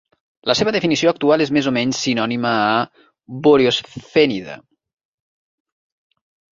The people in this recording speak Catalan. La seva definició actual és més o menys sinònima a "boreosphenida".